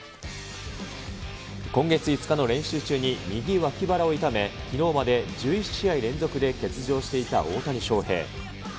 今月５日の練習中に右脇腹を痛め、きのうまで１１試合連続で欠場していた大谷翔平。